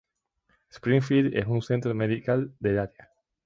Springfield es un centro medical del área.